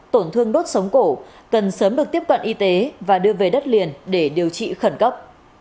tổn thương đốt sống cổ cần sớm được tiếp cận y tế và đưa về đất liền để điều trị khẩn cấp